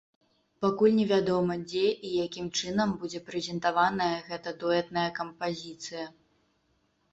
Пакуль невядома, дзе і якім чынам будзе прэзентаваная гэтая дуэтная кампазіцыя.